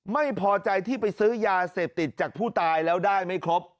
ไม่พอใจที่ไปซื้อยาเสพติดจากผู้ตายแล้วได้ไม่ครบ